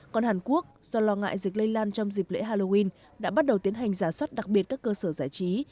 còn hàn quốc do lo ngại dịch lây lan trong dịp lễ halloween đã bắt đầu tiến hành giả soát đặc biệt các cơ sở giải trí